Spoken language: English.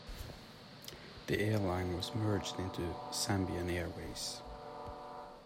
The airline was merged into Zambian Airways.